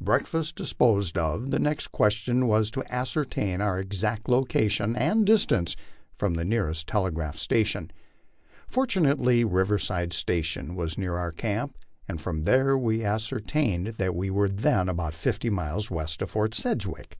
Breakfast disposed of, the next question was to ascertain our exact loca tion and distance from the nearest telegraph station. Fortunately Riverside Station was near our camp, and from there we ascertained that we were then about fifty miles west of Fort Sedgwick.